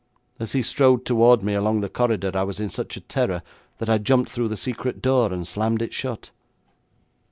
As he strode towards me, along the corridor, I was in such terror that I jumped through the secret door and slammed it shut.'